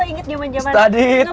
rame ya kayak mustahil itu